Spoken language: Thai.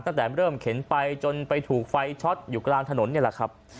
ตั้งแต่เริ่มเข็นไปจนไปถูกไฟช็อตอยู่กลางถนนนี่แหละครับ